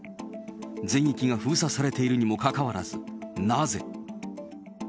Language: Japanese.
全域が封鎖されているにもかかわらず、なぜ？